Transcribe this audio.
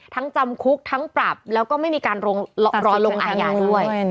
จำคุกทั้งปรับแล้วก็ไม่มีการรอลงอาญาด้วย